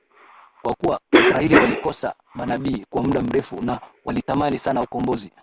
Kwa kuwa Waisraeli walikosa manabii kwa muda mrefu na walitamani sana ukombozi